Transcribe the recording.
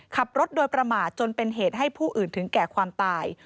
ขับรถโดยประมาทจนเป็นเหตุให้ผู้อื่นถึงแก่ความตาย